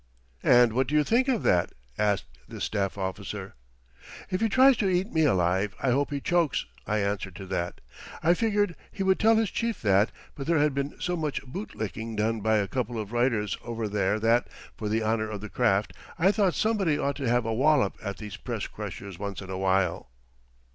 "And what do you think of that?" asked this staff officer. "If he tries to eat me alive I hope he chokes," I answered to that. I figured he would tell his chief that, but there had been so much boot licking done by a couple of writers over there that, for the honor of the craft, I thought somebody ought to have a wallop at these press crushers once in a while.